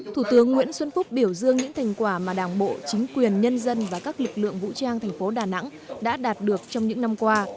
thủ tướng nguyễn xuân phúc biểu dương những thành quả mà đảng bộ chính quyền nhân dân và các lực lượng vũ trang thành phố đà nẵng đã đạt được trong những năm qua